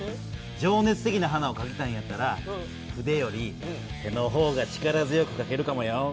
情熱的な花をかきたいんやったら筆より手の方が力強くかけるかもよ。